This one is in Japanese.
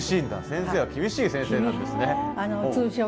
先生は厳しい先生なんですね。